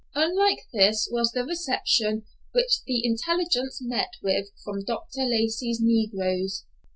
Unlike this was the reception which the intelligence met with from Dr. Lacey's negroes.